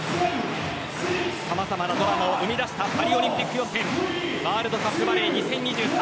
さまざまなドラマを生み出したパリオリンピック予選ワールドカップバレー２０２３